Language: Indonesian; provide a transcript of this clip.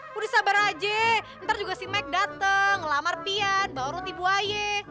waduh sabar aja ntar juga si mike dateng ngelamar fian bawa roti buah ye